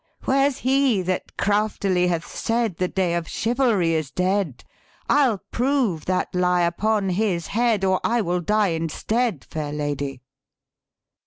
"' Where's he that craftily hath said The day of chivalry is dead? I'll prove that lie upon his head, Or I will die instead, Fair Lady.